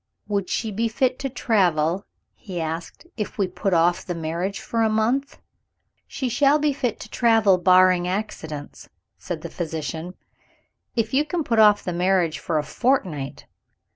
"Would she be fit to travel," he asked, "if we put off the marriage for a month?" "She shall be fit to travel, barring accidents," said the physician, "if you can put off the marriage for a fortnight.